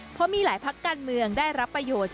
เพราะมีหลายพักการเมืองได้รับประโยชน์